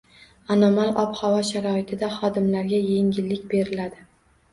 Anomal ob-havo sharoitida xodimlarga yengillik beriladi